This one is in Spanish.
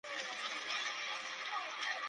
La película recibió comentarios negativos.